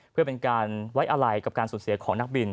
เพื่อเป็นการไว้อะไรกับการสูญเสียของนักบิน